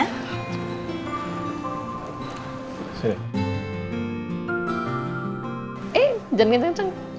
eh jangan kenceng